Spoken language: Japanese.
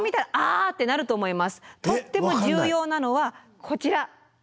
とっても重要なのはこちら！